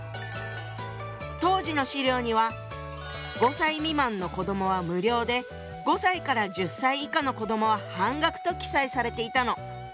当時の資料には５歳未満の子どもは無料で５歳から１０歳以下の子どもは半額と記載されていたの。